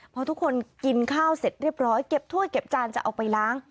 พอทุกคนกินข้าวเสร็จเรียบร้อยเก็บถ้วยเก็บจานจะเอาไปล้าง